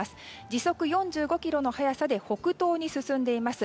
時速４５キロの速さで北東に進んでいます。